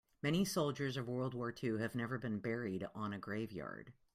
Many soldiers of world war two have never been buried on a grave yard.